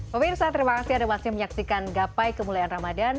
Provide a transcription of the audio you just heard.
pemirsa terima kasih anda masih menyaksikan gapai kemuliaan ramadan